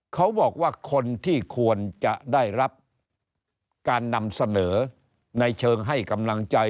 เขาบอกว่าคนที่ควรจะได้รับการนำเสนอในเชิงให้กำลังใจ